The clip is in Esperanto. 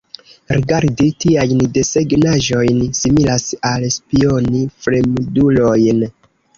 Rigardi tiajn desegnaĵojn similas al spioni fremdulojn.